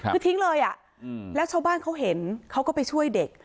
คือทิ้งเลยแล้วชาวบ้านเขาเห็นเขาก็ไปช่วยเด็ก